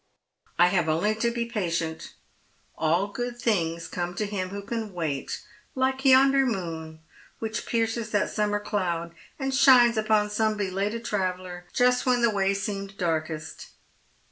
I have only to be patient. All good things come to him who can wait, hke yonder moon which pierces that summer cloud, and shines upon some belated traveller, just when the way seemed darkest.'